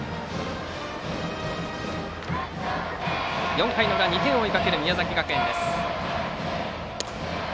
４回の裏、２点を追いかける宮崎学園の攻撃です。